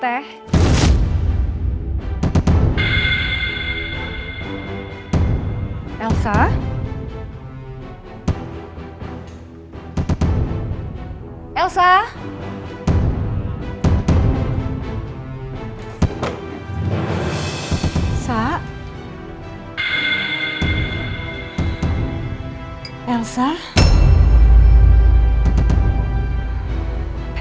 tidak ada apa apa